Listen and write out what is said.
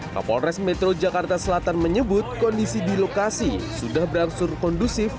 kapolres metro jakarta selatan menyebut kondisi di lokasi sudah berangsur kondusif